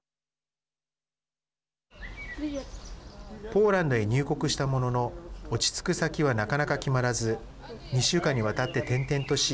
ポーランドへ入国したものの落ち着く先はなかなか決まらず２週間にわたって転々とし